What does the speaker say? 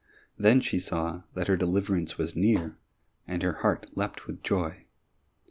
Then she saw that her deliverance was near, and her heart leapt with joy.